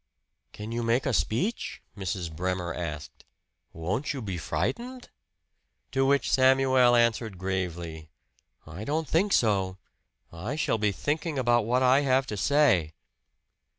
"Can you make a speech?" Mrs. Bremer asked. "Won't you be frightened?" To which Samuel answered gravely: "I don't think so. I shall be thinking about what I have to say."